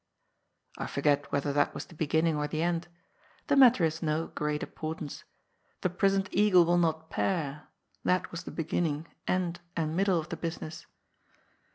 I forget whether that was the beginning or the end. The matter is of no great importance. " The prisoned eagle will not pair '*; that was the beginning, end, and middle of the business.